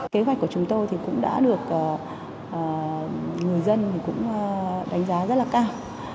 kế hoạch của chúng tôi thì cũng đã được người dân cũng đánh giá rất là cao